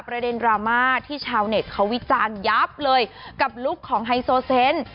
ประเด็นดราม่าที่ชาวเน็ตเขาวิจารณ์ยับเลยกับลุคของไฮโซเซนต์